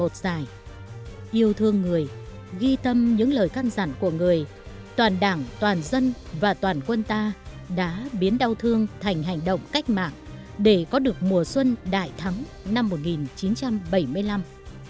trong tâm những lời khăn giản của người toàn đảng toàn dân và toàn quân ta đã biến đau thương thành hành động cách mạng để có được mùa xuân đại thắng năm một nghìn chín trăm bảy mươi năm